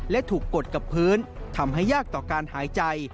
และถูกกดกับพื้นทำให้ยากต่อการหายใจ